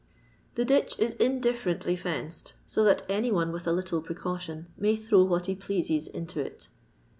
The ditch is in differendy fenced, so that any one with a little precaution may throw what he pleases into it.